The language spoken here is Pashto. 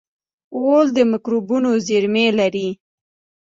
غول د مکروبونو زېرمې لري.